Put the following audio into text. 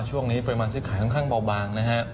ช่วงนี้ไฟมัลซิฟขายค่อนข้างเบาบางนะครับ